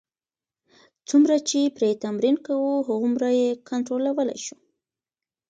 څومره چې پرې تمرین کوو، هغومره یې کنټرولولای شو.